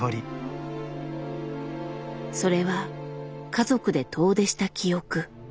それは家族で遠出した記憶。